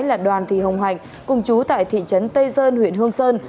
là đoàn thị hồng hạnh cùng chú tại thị trấn tây sơn huyện hương sơn